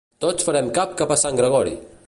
Tots farem cap a Sant Gregori!